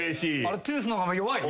トゥース！の方が弱い？